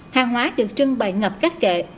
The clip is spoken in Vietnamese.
hàng hóa được trưng bày ngập các kệ